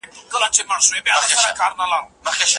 سیند د اباسین به له هیلمند سره ګډیږي